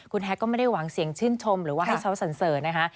คุณแฮกก็ไม่ได้หวังเสียงชื่นชมหรือว่าให้เขาสันเสริญนะคะ